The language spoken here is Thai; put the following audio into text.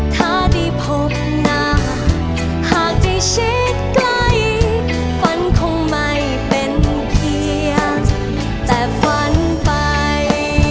ถ้าได้พบนะหากได้ชิดไกลฝันคงไม่เป็นเพียงแต่ฝันไป